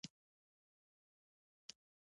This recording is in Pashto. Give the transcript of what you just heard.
د ترک غلامانو او خلجیانو ترمنځ توپیر موجود و.